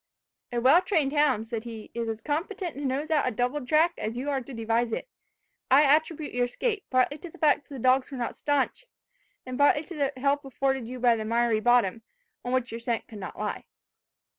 "A well trained hound," said he, "is as competent to nose out a doubled track as you are to devise it. I attribute your escape, partly to the fact that the dogs are not staunch, and partly to the help afforded you by the miry bottom, on which your scent could not lie."